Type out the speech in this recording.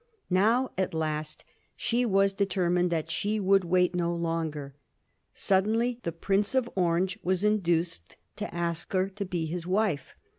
Now at last she was determined that she would wait no longer. Suddenly the Prince of Orange was induced to ask her to be his wife.